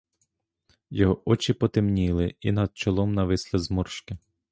Його очі потемніли і над чолом нависли зморшки.